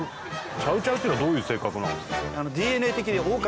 チャウ・チャウっていうのはどういう性格なんですか？